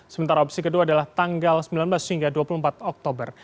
sementara opsi kedua adalah tanggal sembilan belas hingga dua puluh empat oktober